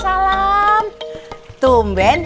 selain bekas rusty tembangnya